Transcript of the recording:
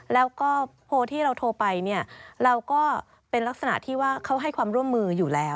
แล้วก็โพลที่เราโทรไปเนี่ยเราก็เป็นลักษณะที่ว่าเขาให้ความร่วมมืออยู่แล้ว